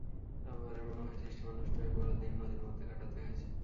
আবার এমনও হয়েছে, স্টিমার নষ্ট হয়ে বড়দিন নদীর মধ্যে কাটাতে হয়েছে।